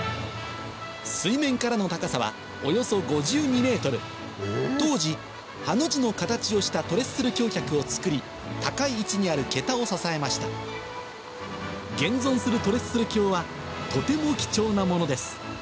水面からの高さはおよそ５２ｍ当時ハの字の形をしたトレッスル橋脚を造り高い位置にある桁を支えました現存するトレッスル橋はとても貴重な物です